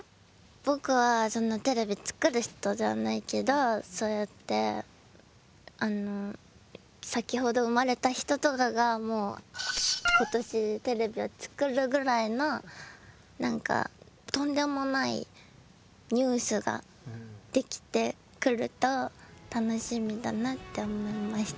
僕はテレビ作る人じゃないけどそうやって先ほど生まれた人とかが今年テレビを作るぐらいの何かとんでもないニュースができてくると楽しみだなって思いました。